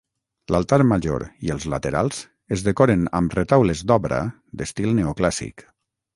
L’altar major i els laterals es decoren amb retaules d’obra d’estil neoclàssic.